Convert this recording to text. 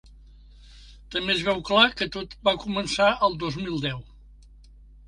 També es veu clar que tot va començar el dos mil deu.